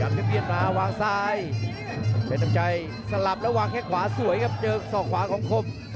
จะเปลี่ยนมาวางซ้ายเพชรน้ำใจสลับแล้ววางแค่ขวาสวยครับเจอศอกขวาของคม